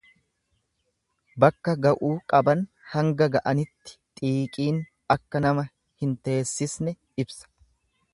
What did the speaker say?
Bakka ga'uu qaban hanga ga'anitti xiiqiin akka nama hin teessisne ibsa.